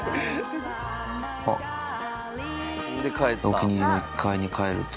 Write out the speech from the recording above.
お気に入りの１階に帰ると。